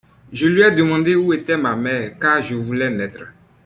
Je lui ai demandé où était ma mère, car je voulais naître.